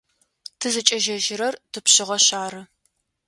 Тызыкӏежьэжьырэр тыпшъыгъэшъ ары.